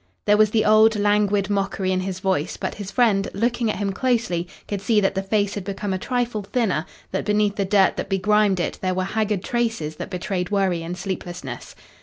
There was the old languid mockery in his voice, but his friend, looking at him closely, could see that the face had become a trifle thinner, that beneath the dirt that begrimed it there were haggard traces that betrayed worry and sleeplessness.